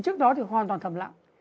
trước đó thì hoàn toàn thầm lặng